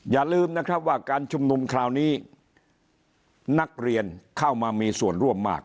อย่าลืมนะครับว่าการชุมนุมคราวนี้นักเรียนเข้ามามีส่วนร่วมมาก